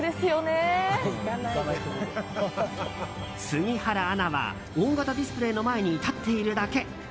杉原アナは大型ディスプレーの前に立っているだけ。